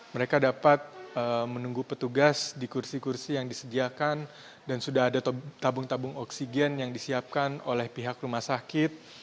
mereka dapat menunggu petugas di kursi kursi yang disediakan dan sudah ada tabung tabung oksigen yang disiapkan oleh pihak rumah sakit